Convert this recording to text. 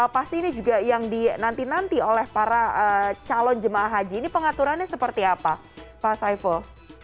pasti ini juga yang dinanti nanti oleh para calon jemaah haji ini pengaturannya seperti apa pak saiful